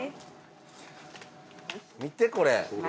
見てこれ。